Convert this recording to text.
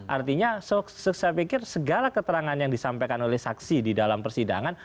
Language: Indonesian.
artinya saya pikir segala keterangan yang disampaikan oleh saksi di dalam persidangan